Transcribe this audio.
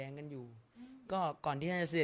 สงฆาตเจริญสงฆาตเจริญ